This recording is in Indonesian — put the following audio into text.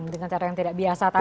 dengan cara yang tidak biasa tadi